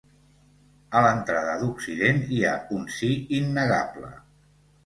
A l'entrada d'Occident hi ha un sí innegable.